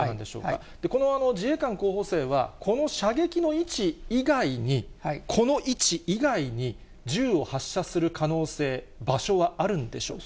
この自衛官候補生は、この射撃の位置以外に、この位置以外に銃を発射する可能性、場所はあるんでしょうか？